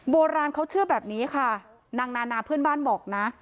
โบราณเขาเชื่อแบบนี้ค่ะนางนานาเพื่อนบ้านบอกนะ